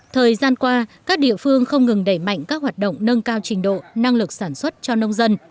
thời gian qua các địa phương không ngừng đẩy mạnh các hoạt động nâng cao trình độ năng lực sản xuất cho nông dân